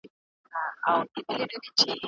ما باید خپله کوژدنه په ټیلیفون کې ډاډه کړې وای.